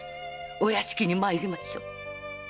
お屋敷に参りましょう。